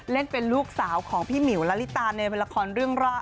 เล่นเป็นลูกสาวของพี่หมิวละลิตาในละครเรื่องแรก